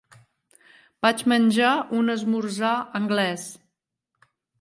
Vaig menjar un esmorzar anglès.